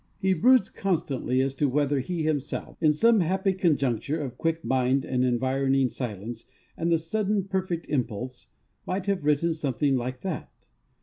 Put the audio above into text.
He broods constantly as to whether he himself, in some happy conjuncture of quick mind and environing silence and the sudden perfect impulse, might have written something like that.